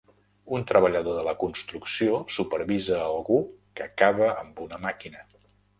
Un treballador de la construcció supervisa algú que cava amb una màquina.